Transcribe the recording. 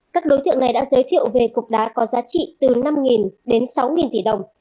các đối tượng này đã giới thiệu về cục đá có giá trị từ năm đến sáu tỷ đồng